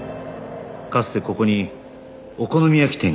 かつてここにお好み焼き店があった